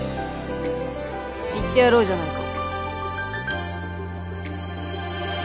行ってやろうじゃないか